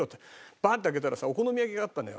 バンッて開けたらさお好み焼きがあったのよ。